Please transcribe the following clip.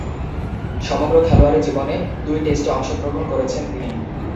সমগ্র খেলোয়াড়ী জীবনে দুই টেস্টে অংশগ্রহণ করেছেন তিনি।